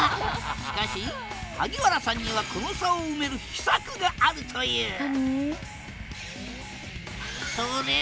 しかし萩原さんにはこの差を埋める秘策があるといううわ！